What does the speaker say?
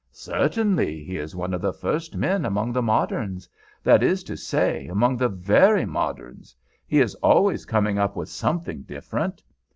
"Certainly. He is one of the first men among the moderns. That is to say, among the very moderns. He is always coming up with something different.